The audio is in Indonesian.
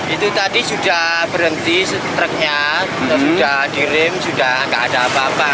itu tadi sudah berhenti truknya sudah direm sudah tidak ada apa apa